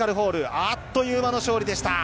あっという間の勝利でした。